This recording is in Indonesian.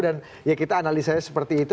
dan ya kita analisanya seperti itu